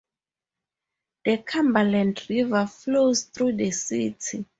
The Cumberland River flows through the city.